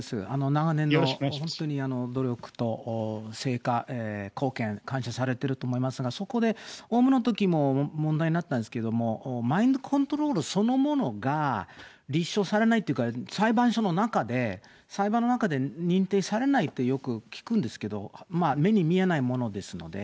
長年の本当に努力と成果、貢献、感謝されていると思いますが、そこでオウムのときも問題になったんですけど、マインドコントロールそのものが立証されないっていうか、裁判所の中で、裁判の中で認定されないとよく聞くんですけど、目に見えないものですので。